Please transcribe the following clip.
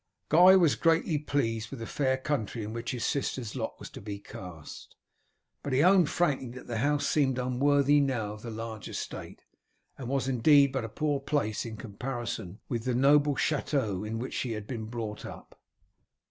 Guy was greatly pleased with the fair country in which his sister's lot was to be cast, but he owned frankly that the house seemed unworthy now of the large estate, and was indeed but a poor place in comparison with the noble chateau in which she had been brought up.